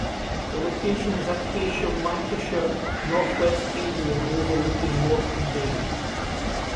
The location is at Heysham, Lancashire, North West England overlooking Morecambe Bay.